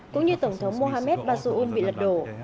cũng như tổng thống mohammed bazoom bị lật đổ